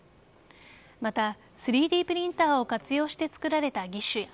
また、３Ｄプリンターを活用して作られた義手や